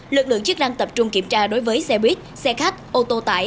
lực lượng chức năng tập trung kiểm tra đối với xe buýt xe khách ô tô tải